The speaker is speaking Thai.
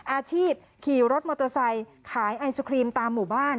อาชีพขี่รถมอเตอร์ไซค์ขายไอศครีมตามหมู่บ้าน